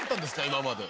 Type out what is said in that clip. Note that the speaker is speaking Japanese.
今まで。